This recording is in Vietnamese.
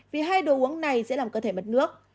vì hai đồ uống này sẽ làm cơ thể mất nước